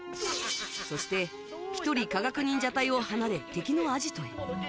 そして、１人科学忍者隊を離れ敵のアジトへ。